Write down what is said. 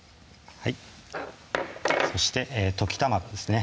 そして溶き卵ですね